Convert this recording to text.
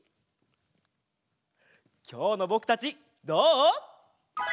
きょうのぼくたちどう？